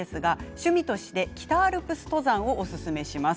趣味として北アルプス登山をおすすめします。